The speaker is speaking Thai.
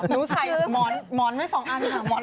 หนูใส่หมอนไว้สองอัน